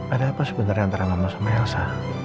ada apa sebenarnya antara mama sama elsa